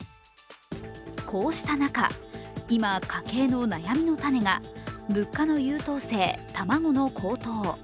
こうした中、今、家計の悩みの種が物価の優等生・卵の高騰。